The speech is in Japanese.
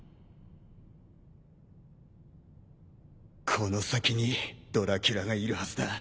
この先にドラキュラがいるはずだ。